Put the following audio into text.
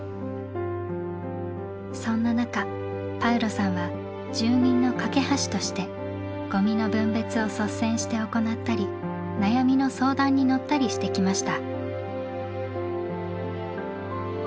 そんな中パウロさんは「住民の懸け橋」としてごみの分別を率先して行ったり悩みの相談に乗ったりしてきました。